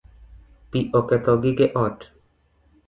Pi oketho gige ot